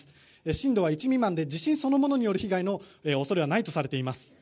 深度は１未満で地震そのものによる被害の恐れはないとしています。